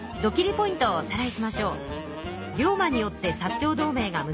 ポイントをおさらいしましょう。